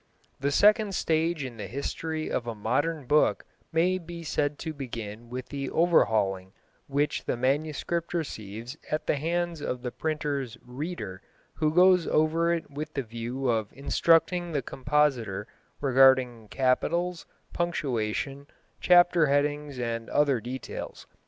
The second stage in the history of a modern book may be said to begin with the overhauling which the manuscript receives at the hands of the printer's "Reader," who goes over it with the view of instructing the compositor regarding capitals, punctuation, chapter headings and other details.